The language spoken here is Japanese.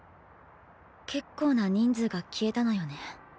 結構な人数が消えたのよね？